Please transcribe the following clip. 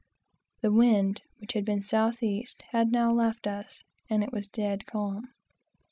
The wind, which had been south east, had now left us, and it was dead calm.